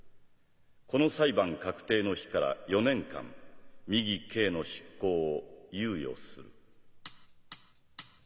この裁判確定の日から４年間右刑の執行を猶予する」。